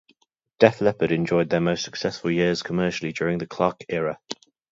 Def Leppard enjoyed their most successful years commercially during the Clark era.